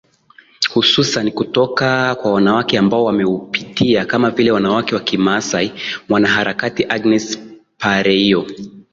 Hususani kutoka kwa wanawake ambao wameupitia kama vile wanawake wa kimasai mwanaharakati Agnes Pareiyo